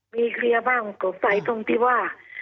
มีเคลียร์บ้างสงสัยตรงที่ว่า